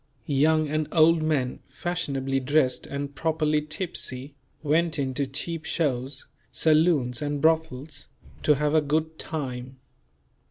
Young and old men, fashionably dressed and properly tipsy, went in to cheap shows, saloons and brothels, to have a "good time."